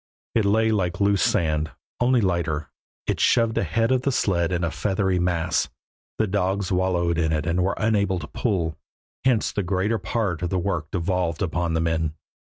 It lay like loose sand, only lighter; it shoved ahead of the sled in a feathery mass; the dogs wallowed in it and were unable to pull, hence the greater part of the work devolved upon the men.